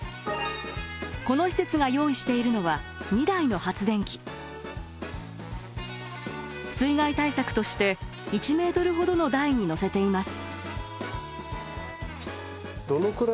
この施設が用意しているのは水害対策として１ｍほどの台に載せています。